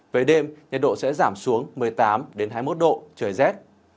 về đêm nhiệt độ sẽ giảm xuống một mươi tám hai mươi một độ trời rét